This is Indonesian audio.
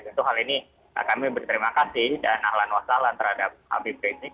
tentu hal ini kami berterima kasih dan ahlan wasalan terhadap habib rizik